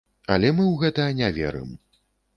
Але мы ў гэта не верым.